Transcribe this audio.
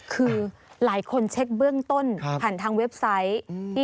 คือหลายคนเช็คเบื้องต้นผ่านทางเว็บไซต์